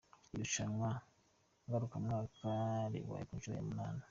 Iri rushanwa ngarukamwaka ribaye ku nshuro ya munani.